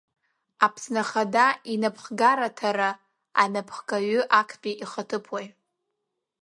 Аԥсны Ахада Инаԥхгараҭара анаԥхгаҩы актәи ихаҭыԥуаҩ…